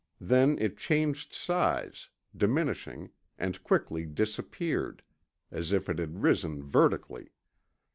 Then it changed size, diminishing, and quickly disappeared, as if it had risen vertically.